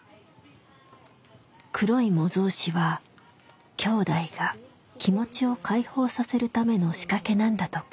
黒い模造紙はきょうだいが気持ちを解放させるための仕掛けなんだとか。